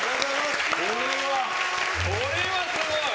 これはすごい！